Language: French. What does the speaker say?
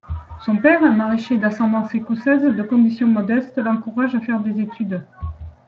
Son père, un maraîcher d'ascendance écossaise de condition modeste, l'encourage à faire des études.